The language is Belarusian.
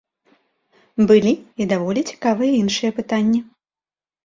Былі і даволі цікавыя іншыя пытанні.